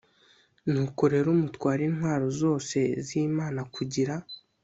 nuko rero mutware intwaro zose z imana kugira